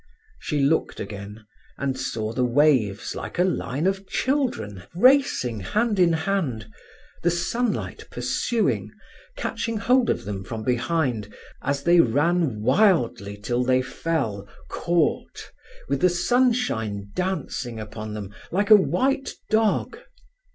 She looked again, and saw the waves like a line of children racing hand in hand, the sunlight pursuing, catching hold of them from behind, as they ran wildly till they fell, caught, with the sunshine dancing upon them like a white dog.